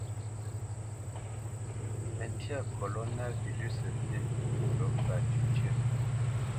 Mǝ́ntya koloná vilʉsǝ fi ndú pǝ́ cywítyǝ́.